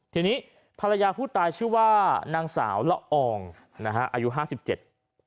ทีนี้ภรรยาผู้ตายชื่อว่านางสาวละอองนะฮะอายุห้าสิบเจ็ด